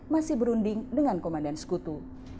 masih berunding dengan komandan sekutu